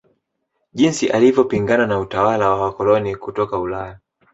Jinsi alivyopingana na utawala wa waakoloni kutoka Ulaya